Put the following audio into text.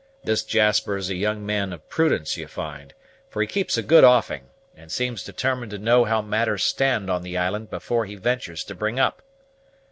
This Jasper is a young man of prudence, you find; for he keeps a good offing, and seems determined to know how matters stand on the island before he ventures to bring up."